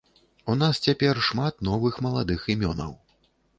У нас цяпер шмат новых маладых імёнаў.